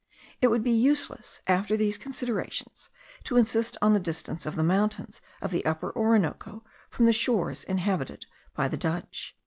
It would be useless, after these considerations, to insist on the distance of the mountains of the Upper Orinoco from the shores inhabited by the Dutch.